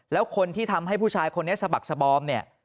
แล้วคนที่ทำให้ผู้ชายคนนี้สะบักสบอมเนี่ย